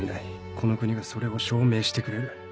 この国がそれを証明してくれる。